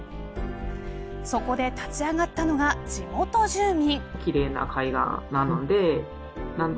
そこで立ち上がったのが地元住民。